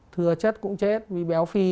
thừa chất cũng chết vì béo phi